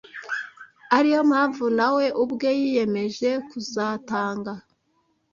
ari yo mpamvu na we ubwe yiyemeje kuzatanga